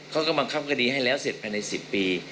เขาก็บังคับคดีให้แล้วเสร็จภายใน๑๐ปี